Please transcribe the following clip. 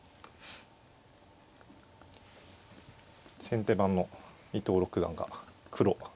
先手番の伊藤六段が黒。